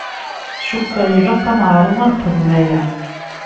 Cukkeɣ ilaq ad neɛṛeḍ ad nexdem aya.